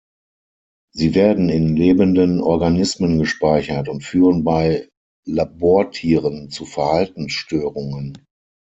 Sie werden in lebenden Organismen gespeichert und führen bei Labortieren zu Verhaltensstörungen.